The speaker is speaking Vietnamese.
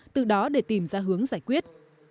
từ đó để tìm ra hướng giải quyết